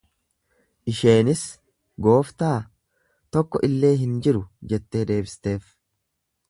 Isheenis, Gooftaa, tokko illee hin jiru jettee deebisteef.